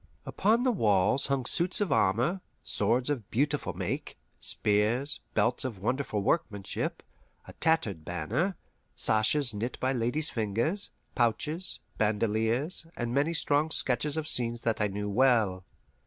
Upon the walls hung suits of armour, swords of beautiful make, spears, belts of wonderful workmanship, a tattered banner, sashes knit by ladies' fingers, pouches, bandoleers, and many strong sketches of scenes that I knew well.